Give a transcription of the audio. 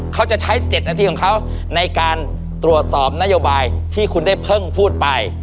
เขาจะใช้๗นาทีของเขาในการตรวจสอบนโยบายที่คุณได้เพิ่งพูดไป